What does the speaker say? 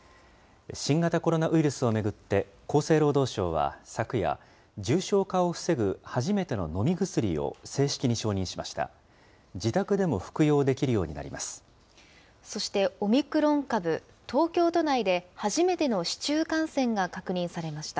新型コロナウイルスを巡って厚生労働省は昨夜、重症化を防ぐ初めての飲み薬を正式に承認しました。